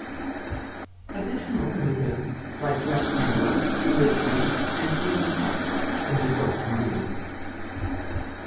Additional primitives like rectangles, ellipses, and even text can be built from these.